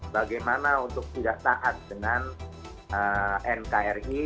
bagaimana untuk tidak taat dengan nkri